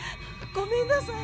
ごめんなさい。